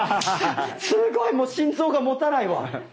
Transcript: すごいもう心臓がもたないわ！